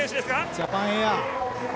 ジャパンエアー。